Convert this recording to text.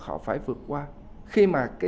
họ phải vượt qua khi mà